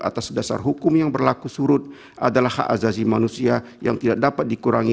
atas dasar hukum yang berlaku surut adalah hak azazi manusia yang tidak dapat dikurangi